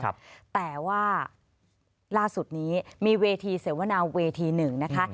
แต่ว่าล่าสุดนี้มีเวทีเสวนาเวทีหนึ่งนะคะ